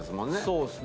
そうですね。